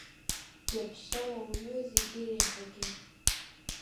Иаԥсоу ауаҩы зегьы реиҳагьы.